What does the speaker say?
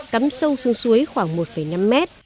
cắm sâu xuống suối khoảng một năm mét